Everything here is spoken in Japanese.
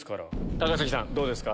高杉さんどうですか？